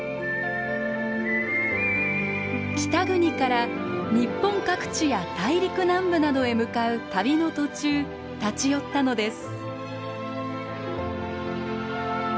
北国から日本各地や大陸南部などへ向かう旅の途中立ち寄ったのです。